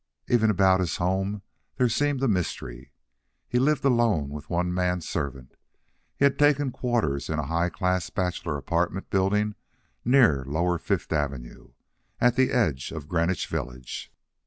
Even about his home there seemed a mystery. He lived alone with one man servant. He had taken quarters in a high class bachelor apartment building near lower Fifth Avenue, at the edge of Greenwich Village.